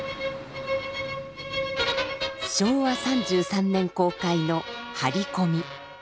昭和３３年公開の「張込み」。